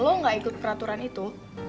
lo gak ikut peraturan itu